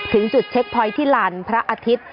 ถึงจุดเช็คพอยต์ที่ลานพระอาทิตย์